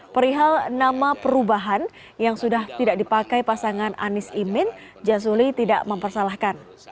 perihal nama perubahan yang sudah tidak dipakai pasangan anies imin jazuli tidak mempersalahkan